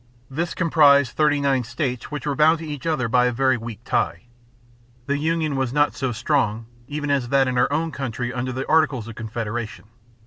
This comprised thirty nine states which were bound to each other by a very weak tie. The union was not so strong even as that in our own country under the Articles of Confederation.